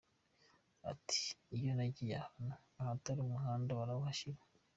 Ati “Iyo nagiye ahantu, ahatari umuhanda barawuhashyira.